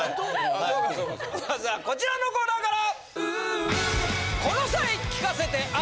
まずはこちらのコーナーから！